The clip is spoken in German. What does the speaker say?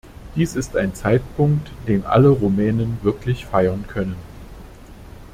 Dies ist ein Zeitpunkt, den alle Rumänen wirklich feiern können.